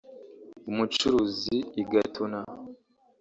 umucuruzi i Gatuna